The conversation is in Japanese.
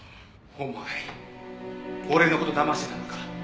お前俺の事だましてたのか？